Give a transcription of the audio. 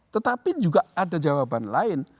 tetapi juga ada jawaban lain